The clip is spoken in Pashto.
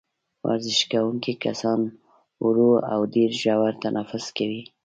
ورزش کوونکي کسان ورو او ډېر ژور تنفس کوي.